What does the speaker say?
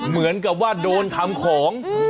เหมือนกับว่าโดนทำของ